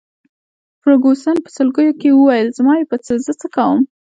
فرګوسن په سلګیو کي وویل: زما يې په څه، زه څه کوم.